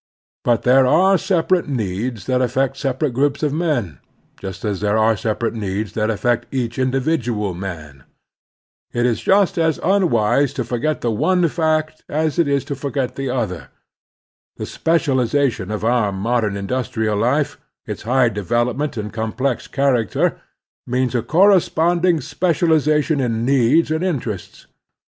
But there are separate needs that aflfect separate groups of men, just as there are separate needs that affect each individual man. It is just as tmwise to forget the one fact as it is to forget the other. The specialization of our mod em industrial life, its high development and complex character, means a corresponding special ization in needs and interests.